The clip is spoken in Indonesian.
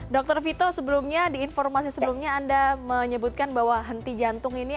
dr vito sebelumnya di informasi sebelumnya anda menyebutkan bahwa henti jantung ini